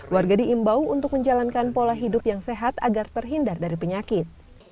warga diimbau untuk menjalankan pola hidup yang sehat agar terhindar dari penyakit